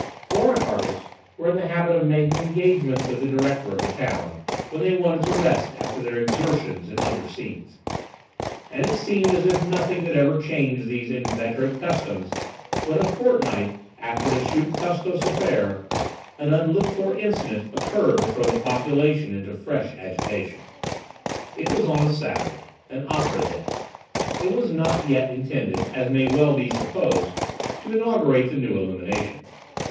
Foreign artists were in the habit of making engagements with the director of the town, when they wanted to rest after their exertions in other scenes; and it seemed as if nothing could ever change these inveterate customs, when, a fortnight after the Schut Custos affair, an unlooked for incident occurred to throw the population into fresh agitation. It was on a Saturday, an opera day. It was not yet intended, as may well be supposed, to inaugurate the new illumination.